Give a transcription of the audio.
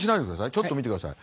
ちょっと見てください。